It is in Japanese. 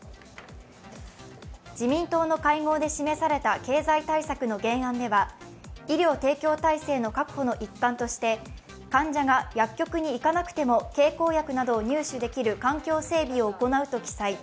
自民党の会合で示された経済対策の原案では医療提供体制の確保の一環として患者が薬局に行かなくても経口薬などを入手できる環境整備を行うと記載。